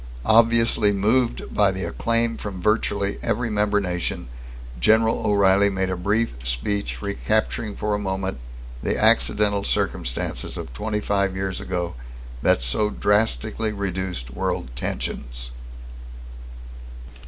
Obviously moved by the acclaim from virtually every member nation, Gen. O'Reilly made a brief speech recapturing for a moment the accidental circumstances of 25 years ago that so drastically reduced world tensions....